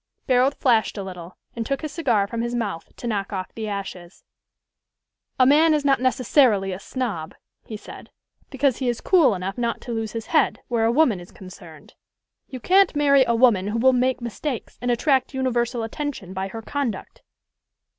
Barold flashed a little, and took his cigar from his mouth to knock off the ashes. "A man is not necessarily a snob," he said, "because he is cool enough not to lose his head where a woman is concerned. You can't marry a woman who will make mistakes, and attract universal attention by her conduct."